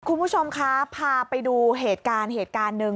คุณผู้ชมครับพาไปดูเหตุการณ์หนึ่ง